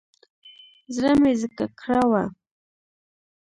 زړه مې ځکه کره و.